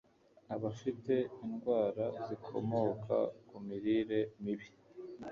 abafite indwara zikomoka ku mirire mibi